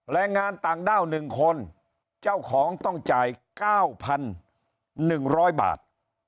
แรงงานต่างด้าว๑คนเจ้าของต้องจ่าย๙๑๐๐บาท